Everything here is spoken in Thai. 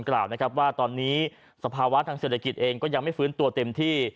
กล่าวนะครับว่าตอนนี้สภาวะทางเศรษฐกิจเองก็ยังไม่ฟื้นตัวเต็มที่